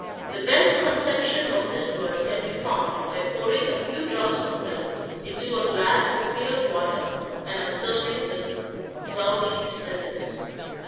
The best conception of this word can be found by pouring a few drops of milk into a glass of clear water, and observing the cloudy disturbance.